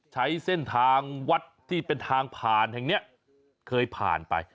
ใช้เส้นทางวัดที่เป็นทางผ่านแห่งนี้เคยผ่านไป